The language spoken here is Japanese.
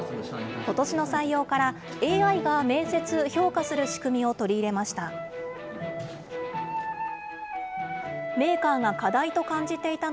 ことしの採用から、ＡＩが面接・評価する仕組みを取り入れました。